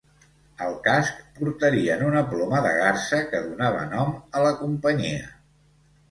Al casc, portarien una ploma de garsa que donava nom a la companyia.